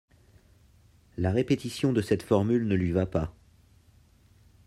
La répétition de cette formule ne lui va pas.